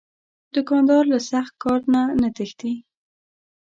دوکاندار له سخت کار نه نه تښتي.